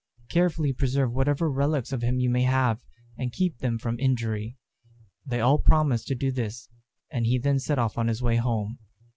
Carefully preserve whatever relics of him you may have, and keep them from injury." They all promised to do this, and he then set off on his way home.